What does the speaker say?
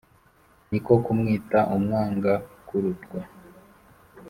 ni ko kumwita umwangakurutwa.